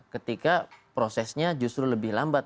ketika prosesnya justru lebih lambat